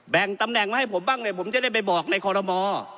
ตำแหน่งมาให้ผมบ้างเนี่ยผมจะได้ไปบอกในคอรมอ